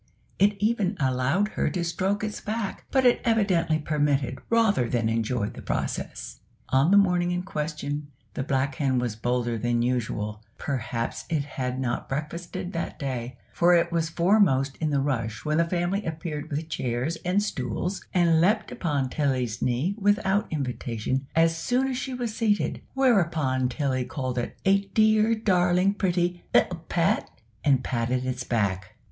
It even allowed her to stroke its back, but it evidently permitted rather than enjoyed the process. On the morning in question, the black hen was bolder than usual; perhaps it had not breakfasted that day, for it was foremost in the rush when the family appeared with chairs and stools, and leaped on Tilly's knee, without invitation, as soon as she was seated; whereupon Tilly called it "a dear darling pretty 'ittle pet," and patted its back.